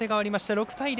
６対０。